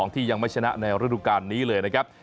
ที่ยังไม่ชนะในฤดูการนี้เลยนะครับ